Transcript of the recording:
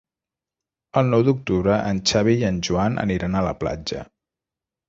El nou d'octubre en Xavi i en Joan aniran a la platja.